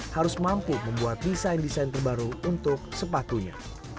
harus mampu membuat desain desain terbaru untuk sepatunya